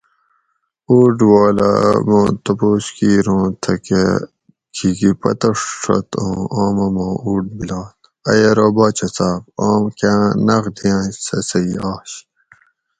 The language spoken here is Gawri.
اُوٹ والاۤ ما تپوس کیر اُوں تھکہ کھیکی پتہ ڛت اُوں آمہ ماں اُوٹ بِلات؟ ائی ارو باچہ صاۤب آم کاۤں نۤخ دیاۤنش سہ صحیح آش